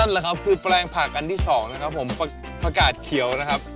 แหละครับคือแปลงผักอันที่สองนะครับผมผักกาดเขียวนะครับ